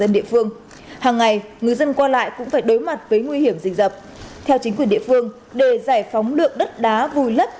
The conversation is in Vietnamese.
đối mặt với nguy hiểm dịch dập theo chính quyền địa phương để giải phóng lượng đất đá vùi lấp